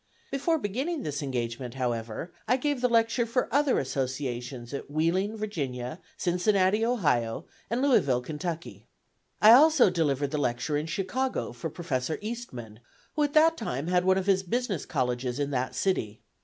Before beginning this engagement, however, I gave the lecture for other associations at Wheeling, Virginia, Cincinnati, Ohio, and Louisville, Kentucky. I also delivered the lecture in Chicago, for Professor Eastman, who at that time had one of his Business Colleges in that city.